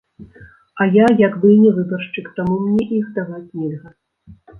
А я як бы і не выбаршчык, таму мне іх даваць нельга.